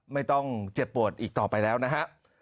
ไม่ต้องเจ็บปวดอีกต่อไปแล้วนะฮะ